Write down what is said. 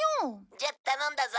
「じゃ頼んだぞ」